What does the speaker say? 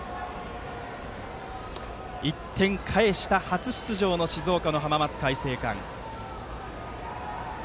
１点返した初出場の静岡の浜松開誠館。